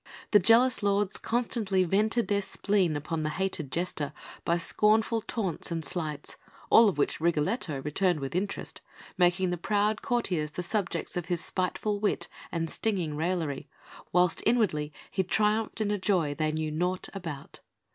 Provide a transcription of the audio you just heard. The jealous lords constantly vented their spleen upon the hated Jester by scornful taunts and slights, all of which Rigoletto returned with interest, making the proud courtiers the subjects of his spiteful wit and stinging raillery, whilst inwardly he triumphed in a joy they knew naught about.